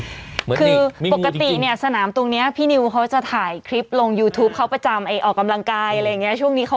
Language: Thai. คือปกติเนี่ยสนามตรงนี้พี่นิวเขาจะถ่ายคลิปลงยูทูปเขาประจำออกกำลังกายอะไรอย่างนี้